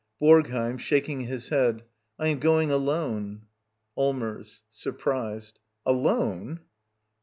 BoRGHEiM. [Shaking his head.] I am going alone. Allmers. [Surprised.] Alone!